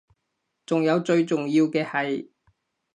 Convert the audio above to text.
仲有最重要嘅係